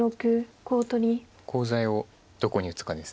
コウ材をどこに打つかです。